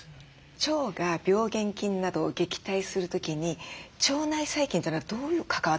腸が病原菌などを撃退する時に腸内細菌というのはどう関わってくるんでしょうか？